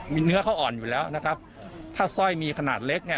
มีเนื้อเขาอ่อนอยู่แล้วนะครับถ้าสร้อยมีขนาดเล็กเนี่ย